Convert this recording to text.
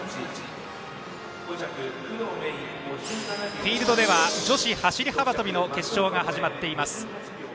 フィールドでは女子走り幅跳びの決勝が始まっています。